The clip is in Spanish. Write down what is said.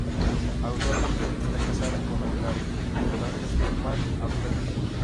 Actualmente está casada con el arquitecto de Los Ángeles, Marc Appleton.